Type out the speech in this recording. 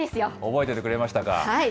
覚えててくれましたか。